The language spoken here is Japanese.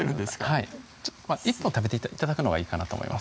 はい１本食べて頂くのがいいかなと思います